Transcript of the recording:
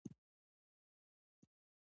د غاړې سرطان د ورزش له امله کمېږي.